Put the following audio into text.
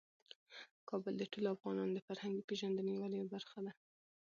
کابل د ټولو افغانانو د فرهنګي پیژندنې یوه لویه برخه ده.